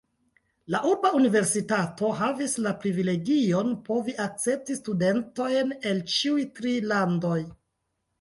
La urba universitato havis la privilegion povi akcepti studentojn el ĉiuj tri landoj.